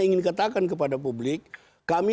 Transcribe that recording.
ingin katakan kepada publik kami